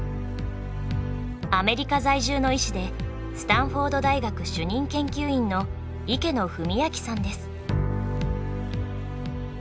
アメリカ在住の医師でスタンフォード大学主任研究員の池野文昭さんです。